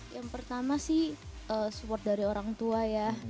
yang pertama sih support dari orang tua ya